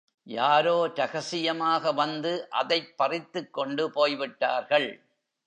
யாரோ ரகசியமாக வந்து அதைப் பறித்துக்கொண்டு போய்விட்டார்கள்.